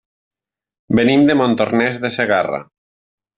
Venim de Montornès de Segarra.